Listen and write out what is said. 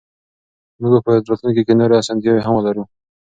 موږ به په راتلونکي کې نورې اسانتیاوې هم ولرو.